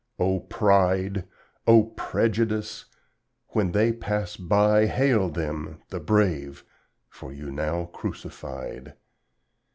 O Pride! O Prejudice! When they pass by, Hail them, the Brave, for you now crucified!